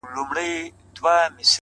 • ملا وکښې دایرې یو څو شکلونه ,